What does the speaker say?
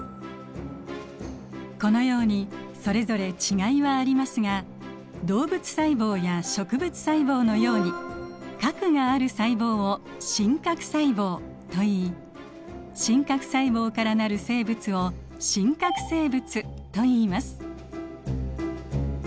このようにそれぞれ違いはありますが動物細胞や植物細胞のように核がある細胞を真核細胞といい真核細胞から成る生物を真核生物といいます。